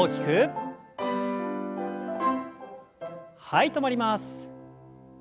はい止まります。